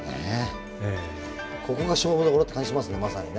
ここが勝負どころって感じしますねまさにね。